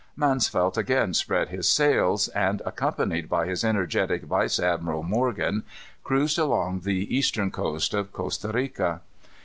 Mansvelt again spread his sails, and, accompanied by his energetic vice admiral Morgan, cruised along the eastern coast of Costa Rica.